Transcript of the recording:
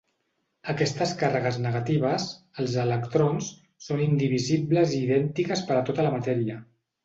Aquestes càrregues negatives, els electrons, són indivisibles i idèntiques per a tota la matèria.